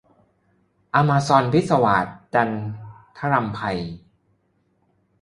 อะมาซ็อนพิศวาส - จันทรำไพ